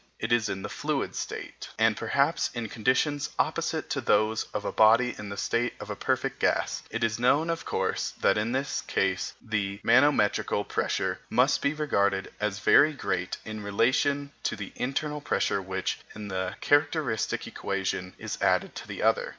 It is in the fluid state, and perhaps in conditions opposed to those of a body in the state of a perfect gas. It is known, of course, that in this case the manometrical pressure must be regarded as very great in relation to the internal pressure which, in the characteristic equation, is added to the other.